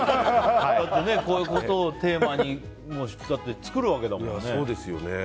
こういうことをテーマに作るわけだもんね。